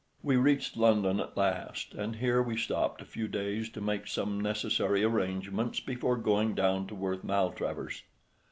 We reached London at last, and here we stopped a few days to make some necessary arrangements before going down to Worth Maltravers.